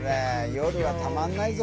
夜はたまんないぞ！